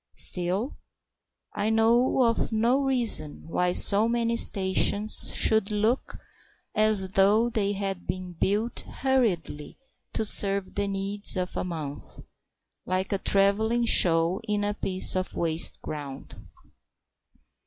Still, I know of no reason why so many stations should look as though they had been built hurriedly to serve the needs of a month, like a travelling show in a piece of waste ground.